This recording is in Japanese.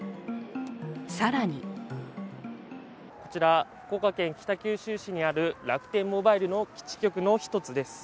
更にこちら、福岡県北九州市にある楽天モバイルの基地局の１つです。